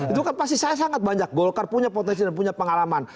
itu kan pasti saya sangat banyak golkar punya potensi dan punya pengalaman